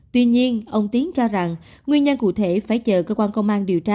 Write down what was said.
tuy nhiên ông tiến cho rằng nguyên nhân cụ thể phải chờ cơ quan công an điều tra